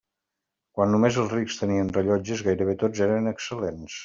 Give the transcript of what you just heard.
Quan només els rics tenien rellotges, gairebé tots eren excel·lents.